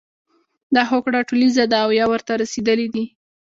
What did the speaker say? دا هوکړه ټولیزه ده او یا ورته رسیدلي دي.